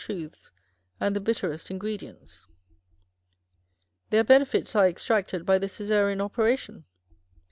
truths and the bitterest ingredients. Their benefits are extracted by the Cassarean operation.